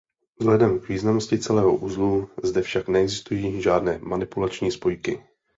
Vzhledem k významnosti celého uzlu zde však neexistují žádné manipulační spojky.